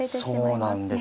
そうなんですよ。